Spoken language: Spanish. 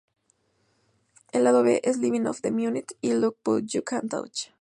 El lado B es "Livin' For The Minute" y "Look But You Can't Touch".